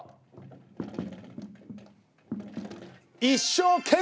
一生！